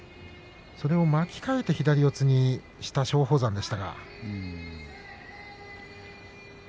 それを巻き替えて左四つにいきました松鳳山です。